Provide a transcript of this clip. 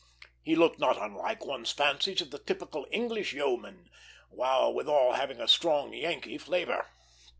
He looked not unlike one's fancies of the typical English yeoman, while withal having a strong Yankee flavor.